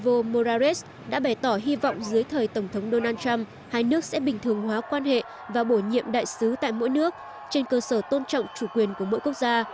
vorad đã bày tỏ hy vọng dưới thời tổng thống donald trump hai nước sẽ bình thường hóa quan hệ và bổ nhiệm đại sứ tại mỗi nước trên cơ sở tôn trọng chủ quyền của mỗi quốc gia